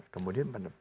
kemudian pendapat saya